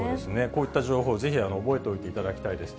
こういった情報、ぜひ覚えておいていただきたいです。